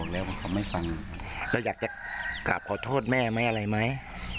แล้วอยากกลับขอโทษแม่อะไรไหม